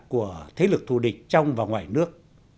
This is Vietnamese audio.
của thế lực thù địch trong và ngoài nước